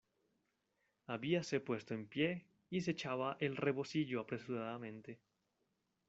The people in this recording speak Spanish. habíase puesto en pie, y se echaba el rebocillo apresuradamente: